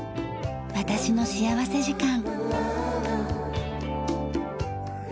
『私の幸福時間』。